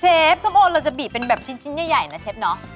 เชฟส้มโอนเราจะบีบเป็นแบบชิ้นใหญ่นะเชฟเนาะ